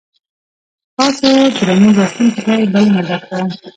تاسو درنو لوستونکو ته یې بلنه درکوم.